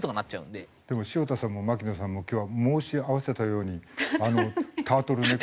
でも潮田さんも牧野さんも今日は申し合わせたようにタートルネック。